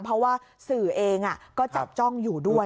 เพราะว่าสื่อเองก็จับจ้องอยู่ด้วย